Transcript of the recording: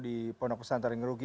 di pondok pesantren ngerugi